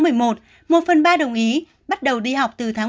một phần ba đồng ý bắt đầu đi học từ tháng một mươi hai